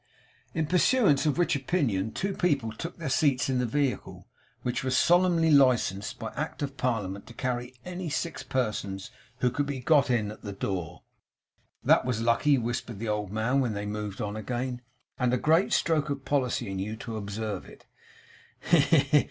In pursuance of which opinion, two people took their seats in the vehicle, which was solemnly licensed by Act of Parliament to carry any six persons who could be got in at the door. 'That was lucky!' whispered the old man, when they moved on again. 'And a great stroke of policy in you to observe it.